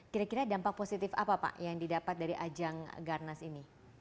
kira kira dampak positif apa pak yang didapat dari ajang garnas ini